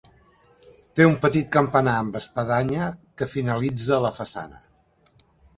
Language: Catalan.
Té un petit campanar amb espadanya que finalitza la façana.